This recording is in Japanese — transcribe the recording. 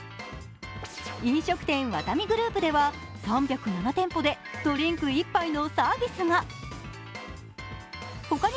飲食店ワタミグループでは、３０７店舗でドリンク１杯がサービスに。